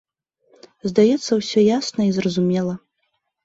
Здаецца, усё ясна і зразумела.